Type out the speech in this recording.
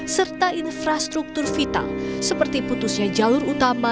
serta infrastruktur vital seperti putusnya jalur utama